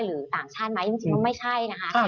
หรือต่างชาติไหมจริงว่าไม่ใช่นะคะ